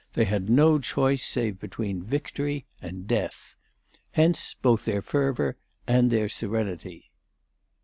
They had no choice save between victory and death. Hence both their fervour and their serenity.